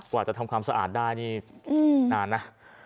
กว่าจะทำความสะอาดได้นี่นานนะ